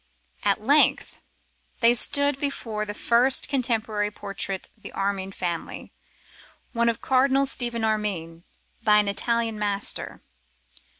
At length they stood before the first contemporary portrait of the Armyn family, one of Cardinal Stephen Armyn, by an Italian master.